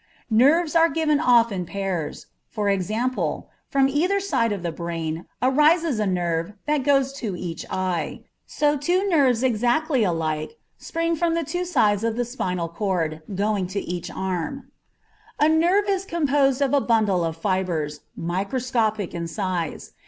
Nerves are given off in pairs; for example, from either side of the brain arises a nerve that goes to each eye. So two nerves exactly alike spring from the two sides of the spinal cord, going to each arm. A nerve is composed of a bundle of fibres, microscopic in size.